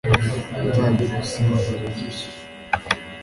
nzajya gusinzira ndushye